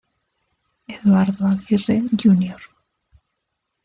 Eduardo Aguirre Jr.